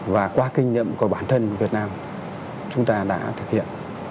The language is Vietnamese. và qua kinh nghiệm của bản thân việt nam chúng ta đã thực hiện